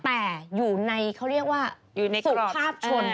แต่อยู่ในเขาเรียกว่าสุภาพชน